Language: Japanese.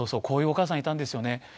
こういうお母さんいたんですよね。